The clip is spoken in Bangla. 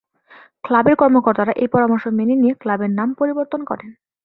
ক্লাবের কর্মকর্তারা এই পরামর্শ মেনে নিয়ে ক্লাবের নাম পরিবর্তন করেন।